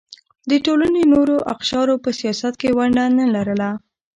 د ټولنې نورو اقشارو په سیاست کې ونډه نه لرله.